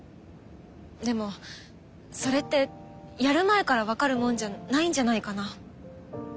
でもそれってやる前から分かるもんじゃないんじゃないかな。